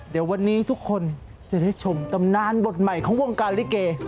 เดี๋ยววันนี้ทุกคนจะได้ชมตำนานบทใหม่ของวงการลิเก